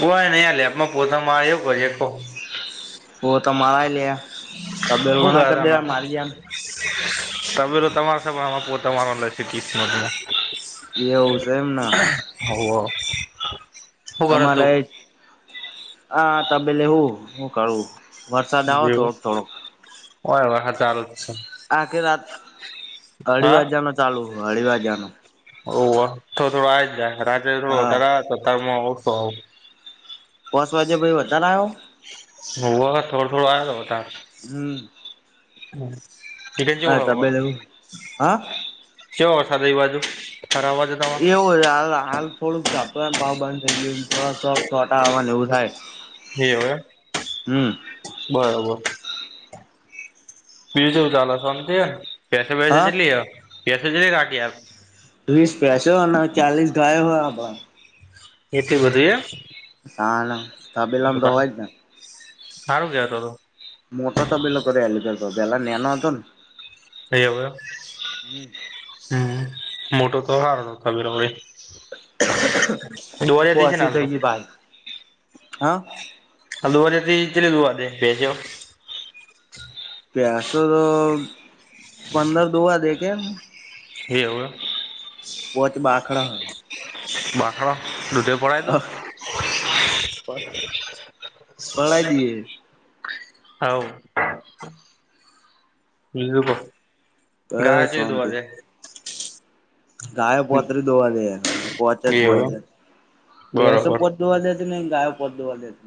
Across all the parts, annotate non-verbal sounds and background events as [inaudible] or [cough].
કોઈ નઇ આ લેબમાં ગોથા મારીયે શું કરીએ કહો. ગોથા મારા લિયે તબેલો શું નાં કર કરતા ના દેવાય મારી જેમ. તબેલો તમારા સભમાં પોતમારવાં લસ્યું કિસ્મત માં. એવું સે એમને. હોઉવ. અમારે હ અ તબેલે હું હું કરું. વરસાદ આવે જેવું થોડોક થોડોક. ઓય વરહાડ ચાલુ છે. આખી રાત અઢી હા વાજ્યા નો ચાલુ હો અઢી વાગ્યા નો. ઓવ થો થોડું આ જ જાય રાત્રે થોડો હા વધારે આવ્યો તો અતારમાં ઓછો આવે હે. પાચ વાગે ભઇ વધારે ન આયો. હોવ થોડો થોડો આયો વધારે. હમ. [unintelligible] હા તબેલે હું હા કેવો વરસાદ એ બાજુ થરા બાજુ. તમાર એવું છે હાલ હાલ. થોડુંક ઝાપટું આવે પાહુ બંધ થઈ ગયું થોડાક થોડાક ચોટા આવવાને એવું થાય. એવું એમ. હમ બરોબર બીજું કેવું ચાલે સોંતી હે. પૈસા વૈસ હા જલી પસ [inaudible] જલી કાઢ આપ વીસ ભૈસો અને ચાલીસ ગાયો હોય બ. એસી વઘી હે. ના ના તબેલા મા તો હોય જ ને. હારું કેવાય તો તો. મોટો તો તબેલો કરે આલયો તે તો પેલા નેનો હતો ને. એવું એમ. હમ મોટો તો તમારો તબેલો ને. દો હજાર ત્રીસ પોસી હાલ તો. થઈ ગઈ ભાઈ હા હ દવા દુંવાે બેો [inaudible] ભૈસો દોવા પંદર દૂવા દે કેમ. હ હવે. પોચ બાખડા. વાખડા દટે [inaudible] પાય તો પ પઢાઈ દીએ. હલો. બ [inaudible] ગાય બસ છે શાંતિ દોવાજ ગાયો પોતરી દોવા દે પોચે જ એવું દોવા એમ દે ભૈસો બરોબર પો દોવા દ ત ને ગાયક પ દોવા દ [inaudible]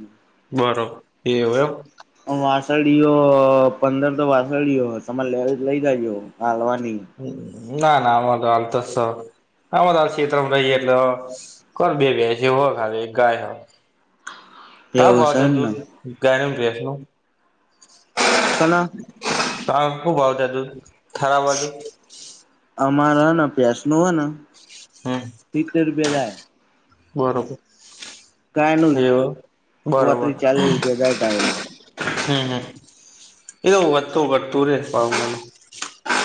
બરો એવું એમ. વાસળીયો પંદર તો વાસળીયો તમારે લેરવી તો લઇ જજો કાલવાની. ના ના અમા તો હલ [inaudible] તો આ તો હ શતમાં રહી એટલો કો બે ભૈસી અ હોખાવ ગાય હો તા બહ એવું છે જ એમ દૂ [inaudible] ને ર ગનુંસનું કલા. ત ક [inaudible] બાજુજજ થારા બાજુ અમારા હને ભૈસ નુ હે ને હમ સિતતેર બેે થાય [inaudible] બરોબર. ગાયનું જ એવું બરોબર. પોત્રી ચાલીસ રૂપિયા થાય ગાયનું હમ હમ એો વત [inaudible] ઘટતુ ર પાાવને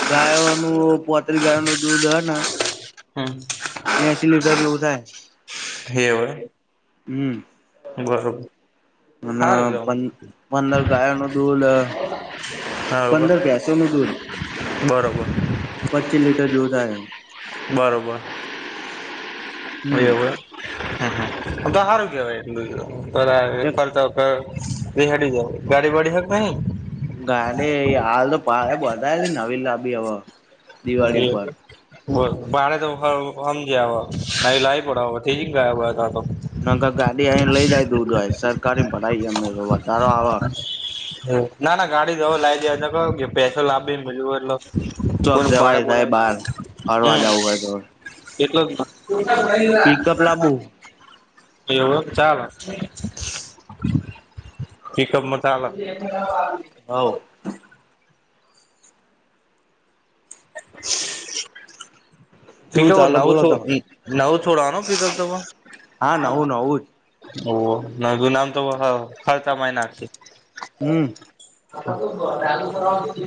ગાયો નું પોત્રી ગાયો ન દૂધ હ ને હમ્મ. એસી લીટર જેવું થાય. હૈ વે. હમ્મ. બરોબર. અને હારું કેવાય પંદર ગાયો નો દૂધ લ હવ પંદર પેસો નું દૂધ બરોબર પચ્ચી લીટર જેવું થાય એમ. બરોબર. હમ એવું હે હે તો સારું કેવાય એક [unintelligible] પર એ હેડી જાવ ગાડી વાડી હે કે નહી? ગાડી હાલ તો પડ બધા નવી લાબી હવે. દે દિવાળી પર હો બરોબર ભડ તો સમજ ન લાવી પડ જ ગયા વાયો ત્યાં તો. ના ગાડી અહી લઈ જાય દઉ જો સરકારી ભરાઈ ગમે તો વધારો આવે. હ ના ના ગાડી દવ લાવી દે ક કે પૈસો લાવીને બજ એટલો ચોક જવાય સાહે બાર ફરવા હમ જવું હોય તો એટલો પિકઅપ લાબુ જ એવ ચાલા પીકઅપ મ ચાલ. હઉ. કેવું પીલ ચાલે નવ બોલો છો તમે નવ થોડનો પીગલ તો હા નવું નવું જ ઓ નું નામ તો હરતા નાખ છે. હમ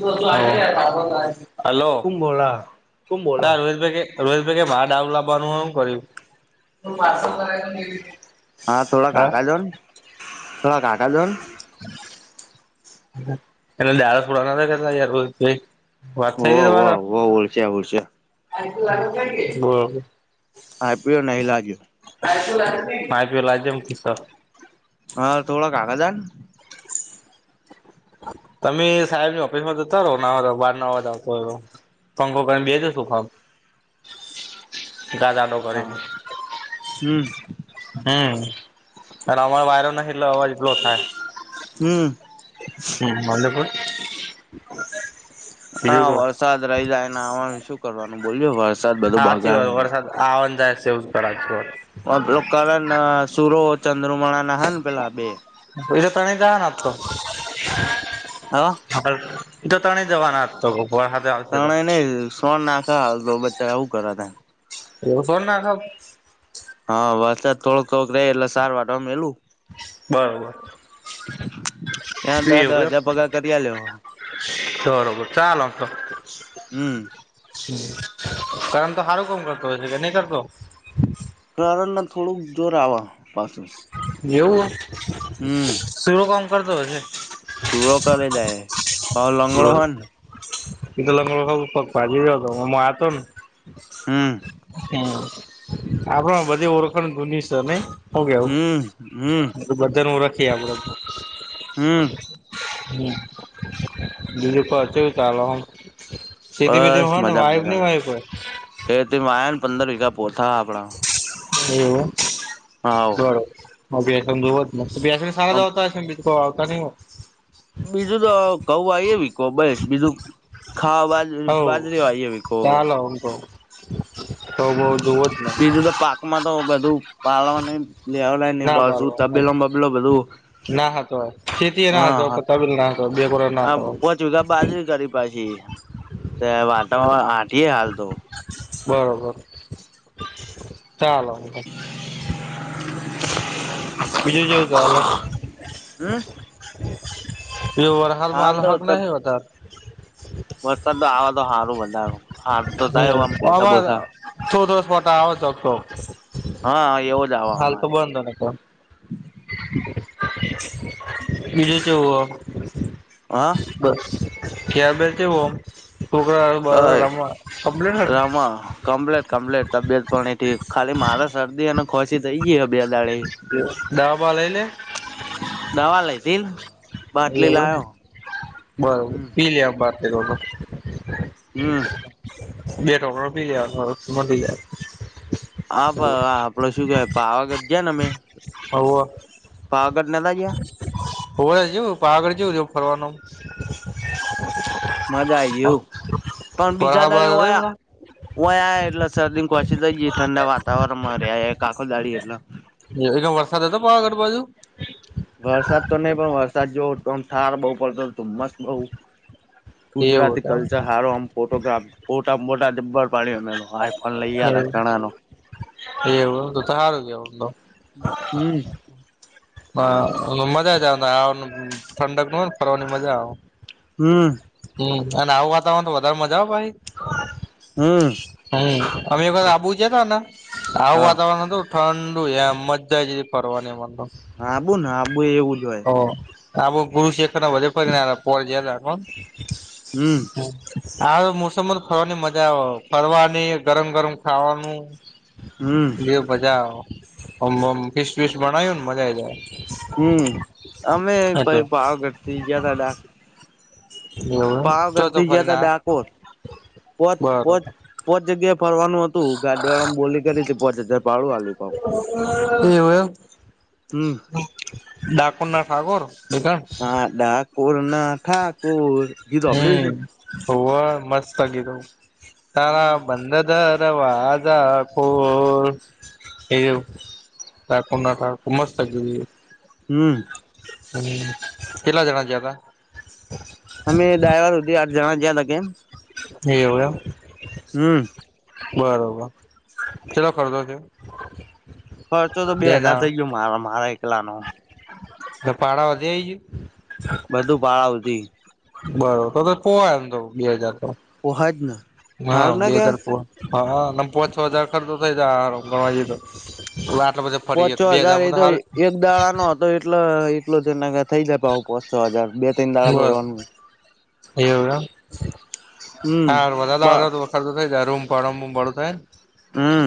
હો. હલો કુમ બોલા કુમ હા બોલા રોહિતભાઈ રોહિતભાઈ કે મા ડાવ લાવવાનું હું કર્યું. હા. પેહલા કાકા જોને. એને દાળસ ફડાવાના કેટલા યાર રોહિત ભઈ. હોવા હોવા હા હોશે હોશે. બરોબર. આઈ પી ઓ નહીં લાગીયો. પાંચ રૂપિયા લજ એમ કિસો. હા થોડા કાકા જાને તમે સાહેબ ની ઓફિસ માં જતા રહો ના બાર નાવા દ તોઈ રો પંખો કરીને બેહો જાઓ સોફા માં દાદા લોક હા, હમ્મ. હમ્મ, અને અમાર બાઈરો નહીં એટલે અવાજ લો થાય. હમ હમ્મ માંડેપુર. હા વરસાદ રહી જાય એને આ શું કરવાનું બોલજો વાર. હાચી વાત વરસાદ આવવાન જાય છે એવુંચ કરા તો. ઓ પેલો કરે ના સૂરો ચંદ્રમાણા ના હ ને પેલા બે પૈસા તણી જ ના તો. હા. હા, તો ત્રણે જવાના હા તો કો. ગવા હાતે આવ ત્રણે નહીં સો નાખા તો બચ્ચા આવું કરા તને. એવું કોન નાખાઉં. હા વરસાદ થોડક થોડકે એટલે સારવાર અમે એલું. બરોબર [inaudible] ત્યાં દ દસ એવું હજાર એમ પગાર કરીયા લેવ બરોબર હમ હ કારણ તો સારું કોમ કરતો હોય છે કે નહી કરતો કરણ થોડુંક જોર આવા પાછું એવું હમ શૂરો કામ કરતો હશે સુૂરો કર જાય પણ લંગડો હો ને ક તો લંગ ફગ ભજ જતો હતો. હા હમ આપડ બધી ઓળખણ ધૂની છે નહી આવ કેવું હમ હમ બધા હું રખીએમ હમ હ બિલ્જી પરચી ચલે સીધી બીધી બસ હોય ને મજા વાયફ મજા નઈ વાય હોય એ યા ને પંદર વીઘા પોતાા આપણા એવ બરોબર બીસ હોત મસ્ બસ સાી કો ન હો બીજું તો કૌવા એ એવી કોબજ બીજું ખાવા બાજ અવ બાજરી વાઈએ વીકો ચાલો તો તો બઉ જોવો જ ને બીજું તો પાક માં તો બધું પાલવા ને લેવલા ને ના પાસુ. પાડો તાબેલોમ બબલો બધું ના હતો ખેતી એના હા હતો [inaudible] ચુગા બાજરી કરી પાછી તે-અ-અ વાતાવણ આંટીએ હાલ તો બરોબ તાલો બીજું જોવું કે અલગ હમ્મ એવુ વર હાલ માલ હક નહી હોતા. વરસાદ આવે તો હારું [inaudible] હારુ તો થાય ઓમ પોછા બોસા. ચોઘસ ફોટા આવે ચોખ્ખો હ આ એવો જ આવે હાલ તો અમારે બંધ અવે તો બીજું જોવો અ-અ-અ બસ ક્યા બેતે વમ [inaudible] તય રામા કમપ્લેટ કમપ્લેટ તબિયત પણી ઠીક ખાલી મારે શરદી અને ખ્વાશી થઈ ગીય અ બે દાળે દાવબવા લેય લે દવા લીધીલ એ ઓય બરોબ હમ દી લે. [inaudible] હમ્મ [unintelligible] આપ-પ-પ આપડે શું કેવાય પાવાગઢ જીયા ને અમે અવૌ પાવાગઢ નતા ગયા ઓવે જ્યું પાવાગઢ જ્યું જોવ ફરવાનું મજા આઈગ્યુ પણ બીજા ફરહા ડાળે બરહા હતો વયા. હમણાં વયા એટલે શરદી ન ખાસી થઈ ગી ઠંડા વાતાવરણમાં રે-રે-રે-ક આખો દાળી એટલા [inaudible] વરસાદ હતો પાવાગઢ બાજુ વરસાદ તો નઈ પણ વરસાદ જોવ તોમ થાર બઉ પડતો હતો મસ્ત બઉ એવું ગુજરાતી હતું કલ્ચર હારો આમ ફોટોગ્રાફ ફોટા મોટાને ભર પાલે અમે ત આઈફોન લઈ ગ્યા તા એમ ઘણા ન એવું તો ત હારું કેવ તો હમ હા-આ-આ-આ મ મજા જ આન ઠંડક ન હોય ફરવાની મજા આવ. હમ્મ હમ્મ અને આવું વાતાવણ હો તો મજા આવ ભાઈ હમ હમ્મ અમે એક વાર આબુ જ્યાં તા ના આવું હા વાતાવરણ તો ઠંડુ એમ જ જાય જે પરવાનીમાં આબુ ના આબુ એવું જ હોય ઓ આ બો પુરુક્ષેત્ર વધે [inaudible] કોણ? હમ્મ હમ્મ, આ મોસમન ફરવાની મજા આવ-વ-વ ફરવાની ગરમ ગરમ ખાવાનું. [unintelligible] હમ્મ દેવ પજા અમ અમ ક્વિસ ક્વિસ માણાંયું ન મઝા આવી જાય. હમ્મ અમે પ પાવાગઢથી ગ્યા તા ડા એવું એમ તો પાવાગઢ તો થી ફરીને ગ્યાતા આયા ડાકોર પોત પોત બરોબર પોચ જગ્યાએ ફરવાનું હતું, ગાડી વાળામ બોલી કાઢી કે પાંચ હજાર ભાળું આલવું પડ [inaudible] એવું એ હમ ડાકોર ના ઠકોર દકન હા, ઠાકોર ના ઠાકોર ગીત સાંભળ્યું છે હમ્મ ને હો મસ્ત લાગી ત તારા બંદર વા આજ ફ એ [inaudible] ત કોનાથ ક મજ થ [inaudible] હમ્મ હમ્મ કેલા જણા જ હતા અમે ડાયવાર સુધી આઠ જણા જયાં હતા, કેમ? એવું એમ હમ્મ બરોબર ચલો ખર્ચો થયો. ખર્ચો તો બે હજાર જેના થઇ ગયો, મારો મારા એકલા નો તો પાડા વધેય છે. બધું પાળાવતી બરોબર તો તો પો હાય તો બે હજાર તો પોહાય જ ને હા, હારું ના બે હાજાર કેવાય હમ પોચ છ હજાર ખર્ચો થઇ જાય ગ તો પવા આઠ બજે પોચો હજાર એ તો એક દાળ નો હતો તો એટલા એટલ છે ને કે થઈ જાય, પોચ છો હજાર બે ત્રણ દાડા ભરવાનું એવ હમ હાવા [inaudible] ખર્ચો થાયારૂમ પાડમ બળો થાય હમ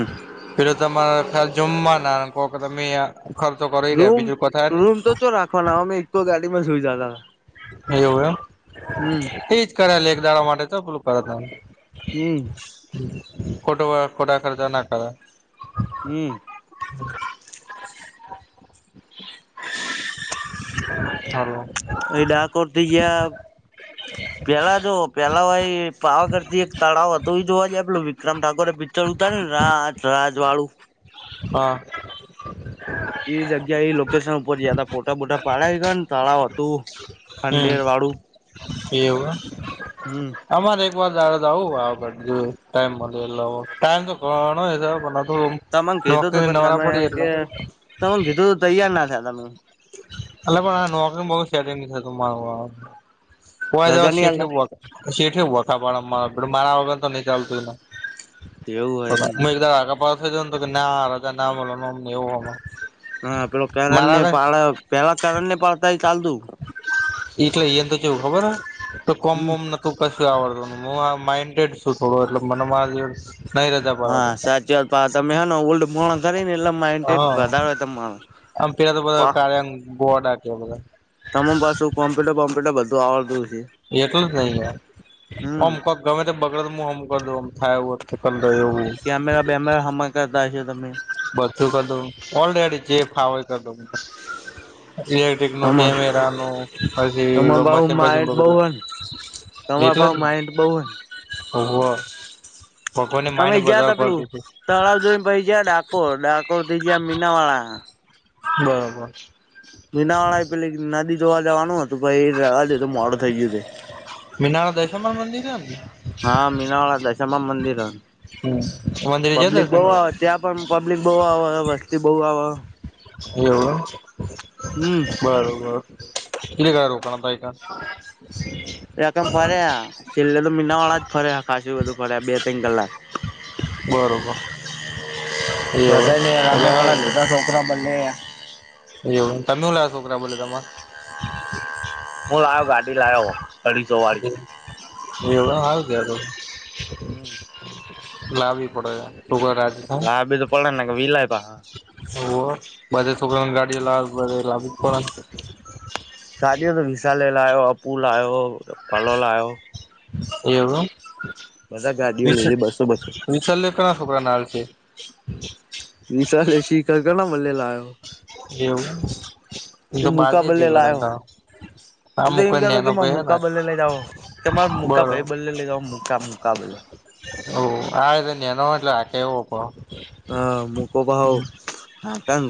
પેલો તમારે ખ્યાલ જમવા ના કહ કે તમે ખર્ચ કર રૂમ રૂમ તો ચ રાખવાના અમે એક ગાડીમાં સુઈ જતા હતા. એવું એમ હમ એજ કરે લ એક દાડા માટે તો પેલું કરે. હમ્મ ખોટા ખોટા ખર્ચા ના કર. હમ્મ [inaudible] અઈ ડાકોરથી ગિયા [inaudible] પેલા જો પેલા ભ એ પાવાગઢથી એક તળાવ હતું એ જોવા જ આપેલું વિક્રમ ઠાકોરે ચડું ત ને રાજ રાજ વાળું? હા. એ જગ્યા એ લોકેશન ઉપર જયા હતા પોટા બોટા પાડ ગયા ને તળાવ હતું હમ ખંડેર વાળું. હમ [unintelligible] અમારે એક વાર [inaudible] આવું ટાઈમ મળ ટાઈમ તો ગણો [inaudible] તમામે કીધું તું પણ તમે કે તમે કીધું ત તૈયાર ના થયા તમે. એટલે પણ નોકરી સેટિંગ રજા નહી આલતા [unintelligible] શેઠે વખા પાડ મારા વગર તો નઈ ચાલતું એને. એવું હોય એમને [inaudible] આગપ [unintelligible] કે ના [unintelligible] હા પેલો કર ને મારા પેલા કરણ ને પાડતા ચાલતું. એટલે એ એમ તો જેવું ખબર હ તો કોમ હમ બમ તું કશું આવડતુંને હું આ માઈન્ડેડ છું થોડું એટલે મને [inaudible] પાડવા હા દેતા સાચી વાત તમે હ ઉલ્ડ પણ કરી હા [unintelligible] આમ પેલા તો બધા ક્યાંગ ગોળા કે બધા. તમને પાસું કોમ્પ્યુટરમ્પ્યટર બધું આવડતું છે. એ તો જ નઈ યાર હમ કોમ કમ ગમે તે બગડે તો મુ હામું કર દઉ થાય એવું કરલવ એવું. કેમેરા બેમેરા હામાં કરતા હશે તમને. બધું કરદવ ઓલરેડી જે ફાવે એ કરદવ. ઇલેક્ટ્રિક નું હમા કેમેરા નું પછી તમાર પાહુ મશીન બશીન માઇન્ડ બહુ [unintelligible] હન તમાર પા હું માઇન્ડ બઉ. હો વ. અમે જયા તા પેલું તળાવ જોઈને પહિ જયા ડાકોર ડાકોર થી ગયા મીનાવાળા. બરોબર. મીનાવાળા એ પેલે નદી જોવા જવાનું હતું પહિ રવા દીધું પછી મોડું થઈ ગયું છે. મીનાણા દશામાં ન મંદિર? [inaudible] હા મીનાવાળા દશામા ન મંદિર હ. હમ, મંદિરે જયા પબ્લિક બહ દર્શન કરવા આવે ત્યાં પણ પબ્લિક બહુ આવે વસ્તી બહુ આવ. એવું. હમ. એમ બરોબર કને કયા રોકાણ થાય તા. એ કેમ ફર્યા છેલ્લે તો મીનાવાળા જ ફર્યા ખાાસું બધું ફર્યા બે ત્રણ કલાક. બરોબર. એવું એમ તો તો હારું કેવાય [inaudible] એવું તમે લ છોકરા બોલ તમાં. હું લાયો ગાડી લાયો હું અઢીસો વારી. એવું એમ હારુ કેવાય તો. લાવવી પડે છે છોકરા રા લાબી તો પડે ને નકા વિલાય પાહા. ઓવ બધા છોકરા ન ગાડી લાવી પડ લાવી જ પડે. ગાદી તો વિશાલે લાયો અપું લાયો ફલો લાયો. એવું. બધા ગાડીઓ લીધી બસો બસો વિશાલયો કયા છોકરાન આલશે. [inaudible] વિશાલયો શી ખબર કમનો મલે લાયો. એવું એ તો બાજ મુકા જ બદલે લાયો લગનતા. એ તો એમ કતો કે મુકા બલે લઈ જાવ કે મારે મુકા બરો ભાઈ બદલે લઈ જાવ મુકા કા મુકાબલા. ઓ હ આ નેનો લાયા કેવું પડ. હ મુકોબા પાહો ત ગ